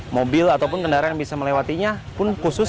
mobil ataupun kendaraan yang bisa melewatinya pun khusus